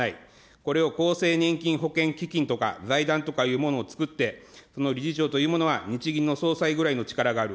これを厚生年金保険基金とか、財団とかいうものをつくって、この理事長というものは日銀の総裁ぐらいの力がある。